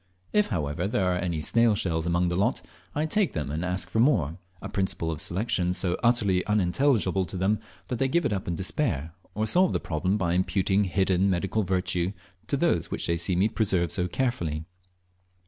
If, however, there are any snail shells among a lot, I take them, and ask for more a principle of selection so utterly unintelligible to them, that they give it up in despair, or solve the problem by imputing hidden medical virtue to those which they see me preserve so carefully.